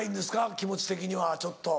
気持ち的にはちょっと。